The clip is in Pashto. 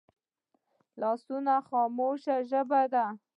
لاسونه خاموشه ژبه ده